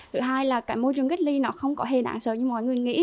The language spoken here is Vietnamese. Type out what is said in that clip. thứ hai là cả môi trường cách ly nó không có hề đạn sợ như mọi người nghĩ